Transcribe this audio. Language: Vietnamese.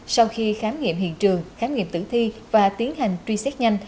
sau khi khám nghiệm hiện trường khám nghiệm tử thi và tiến hành truy xét nhanh